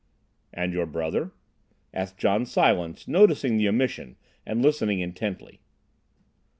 "And your brother?" asked John Silence, noticing the omission, and listening intently.